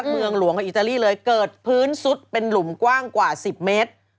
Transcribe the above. เมืองหลวงของอิตาลีเลยเกิดพื้นซุดเป็นหลุมกว้างกว่า๑๐เมตร